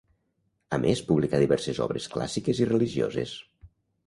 A més publicà diverses obres clàssiques i religioses.